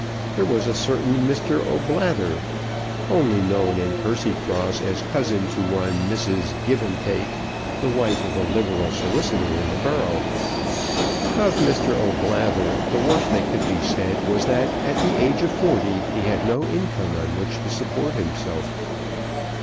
There was a certain Mr. O'Blather, only known in Percycross as cousin to one Mrs. Givantake, the wife of a liberal solicitor in the borough. Of Mr. O'Blather the worst that could be said was that at the age of forty he had no income on which to support himself.